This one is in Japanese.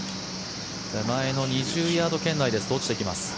手前の２０ヤード圏内ですと落ちていきます。